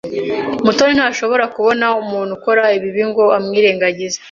Mutoni ntashobora kubona umuntu akora ibibi ngo amwirengagize.